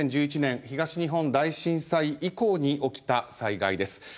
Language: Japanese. ２０１１年東日本大震災以降に起きた災害です。